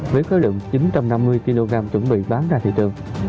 với khối lượng chín trăm năm mươi kg chuẩn bị bán ra thị trường